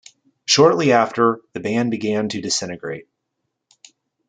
Shortly after, the band began to disintegrate.